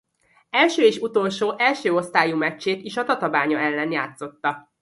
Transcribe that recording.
Első és utolsó első osztályú meccsét is a Tatabánya ellen játszotta.